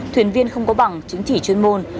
thuyền viên không có bằng chứng chỉ chuyên môn